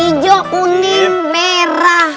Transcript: ijoh kuning merah